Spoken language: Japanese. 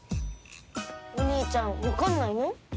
お兄ちゃんわかんないの？